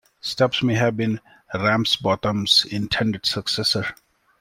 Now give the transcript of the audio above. Stubbs may have been Ramsbottom's intended successor.